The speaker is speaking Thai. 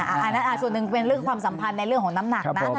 อันนั้นส่วนหนึ่งเป็นเรื่องความสัมพันธ์ในเรื่องของน้ำหนักนะ